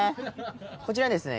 こちらですね